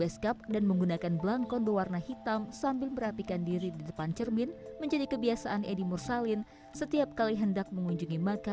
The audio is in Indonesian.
selamat datang di demak